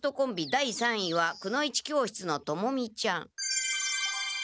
第三位はくの一教室のトモミちゃん」。